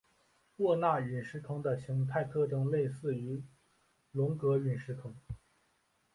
沃纳陨石坑的形态特征类似于龙格陨石坑。